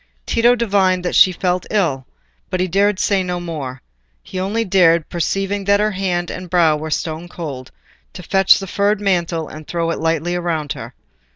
Tito divined that she felt ill, but he dared say no more; he only dared, perceiving that her hand and brow were stone cold, to fetch a furred mantle and throw it lightly round her.